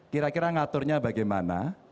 kira kira mengaturnya bagaimana